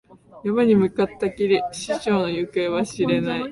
山に向かったきり、師匠の行方は知れない。